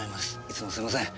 いつもすいません。